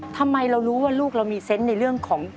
ทำไมเรารู้ว่าลูกเรามีเซนต์ในเรื่องของ